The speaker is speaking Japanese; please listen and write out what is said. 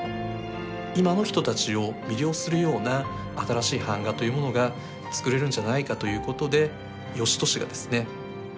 今の人たちを魅了するような新しい版画というものが作れるんじゃないかということで芳年がですね